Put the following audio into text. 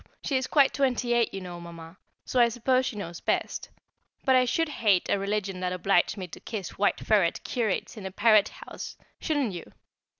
She is quite twenty eight, you know, Mamma, so I suppose she knows best; but I should hate a religion that obliged me to kiss White Ferret curates in a parrot house, shouldn't you?